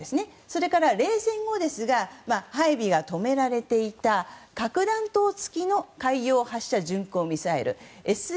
それから冷戦後ですが配備が止められていた核弾頭付きの海洋発射巡航ミサイル・ＳＬＣＭ。